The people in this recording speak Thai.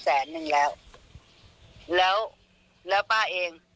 แล้วป้าเองมีเงินอยู่แค่นั้นในตัว